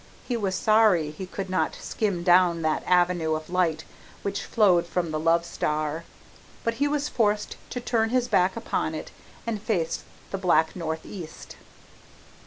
He was sorry he could not skim down that avenue of light which flowed from the love star, but he was forced to turn his back upon it and face the black northeast.